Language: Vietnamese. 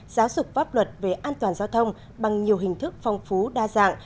giáo dục pháp luật về an toàn giao thông bằng nhiều hình thức phong phú đa dạng